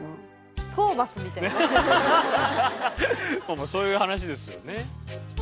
もうそういう話ですよね。